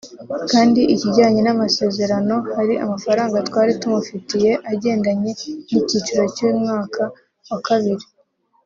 Kandi ikijyanye n’ amasezerano hari amafaranga twari tumufitiye agendanye na ikiciro c y’ umwaka wa kabiri